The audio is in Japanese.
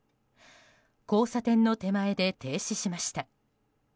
交差点の手前で停止しました。